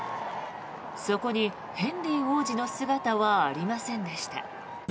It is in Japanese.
そこにヘンリー王子の姿はありませんでした。